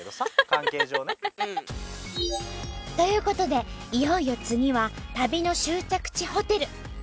関係上ね。という事でいよいよ次は旅の終着地ホテル。